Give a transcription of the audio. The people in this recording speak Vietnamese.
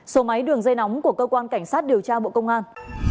số máy đường dây nóng của cơ quan cảnh sát điều tra bộ công an